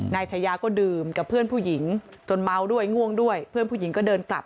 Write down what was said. นายชายาก็ดื่มกับเพื่อนผู้หญิงจนเมาด้วยง่วงด้วยเพื่อนผู้หญิงก็เดินกลับ